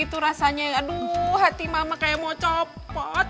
itu rasanya aduh hati mama kayak mau copot